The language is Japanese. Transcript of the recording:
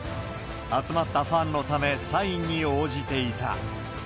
集まったファンのため、サインに応じていた。